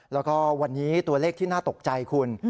แล้วก็วันนี้ตัวเลขที่น่าตกใจคุณ